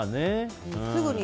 すぐに。